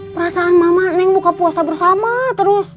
perasaan mama neng buka puasa bersama terus